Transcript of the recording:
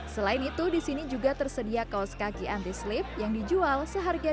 selain itu di sini juga tersedia kaos kaki anti slip yang dijual seharga rp dua puluh